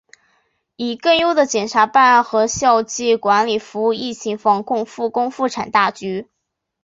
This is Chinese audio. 以更优的检察办案和绩效管理服务疫情防控、复工复产大局